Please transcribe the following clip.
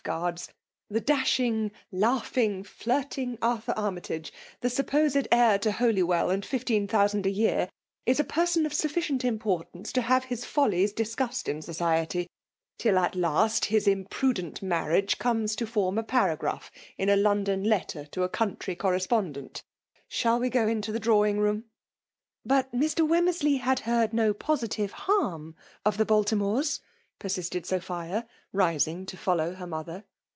Ghiaids — the dashing, laoghing, flirting Ar thur Armytage, the supposed heir to HolyweU and fifteen thousand a year, — ^is a person of suf ficient importance to have his follies discussed in society ; till, at last, his imprudent marriage comes to form a paragraph in a London letter to a country correspondent Shall we go into the drawing room ?"" But Mr. Wemmersley had heard no posi* tive harm of the Baltimores Y' persisted Sophia, rising to follow her mother.